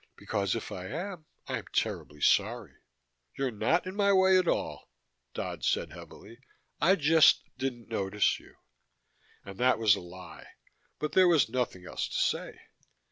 Because if I am, I'm terribly sorry." "You're not in my way at all," Dodd said heavily. "I just didn't notice you." And that was a lie, but there was nothing else to say.